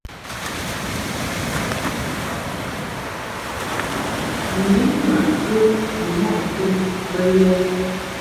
N-lin ma kə bimɔʼ ntum bə ya ?